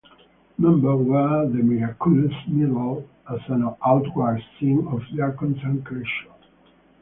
Members wear the Miraculous Medal as an outward sign of their consecration.